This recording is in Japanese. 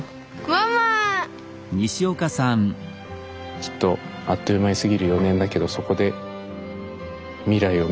きっとあっという間に過ぎる４年だけどそこで未来を見据えていく。